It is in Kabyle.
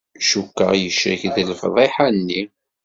Cukkeɣ yecrek deg lefḍiḥa-nni.